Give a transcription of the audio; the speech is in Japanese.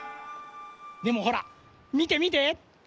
でもほらみてみて。